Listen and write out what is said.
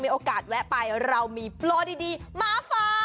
โอกาสแวะไปเรามีโปรดีมาฝาก